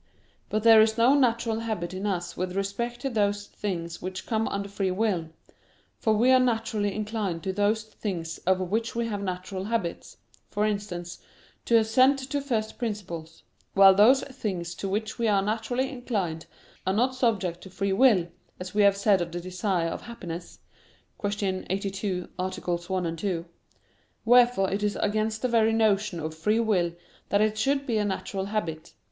But there is not natural habit in us with respect to those things which come under free will: for we are naturally inclined to those things of which we have natural habits for instance, to assent to first principles: while those things to which we are naturally inclined are not subject to free will, as we have said of the desire of happiness (Q. 82, AA. 1, 2). Wherefore it is against the very notion of free will that it should be a natural habit.